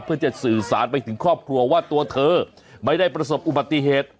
เพื่อจะสื่อสารไปถึงครอบครัวว่าตัวเธอไม่ได้ประสบอุบัติเหตุ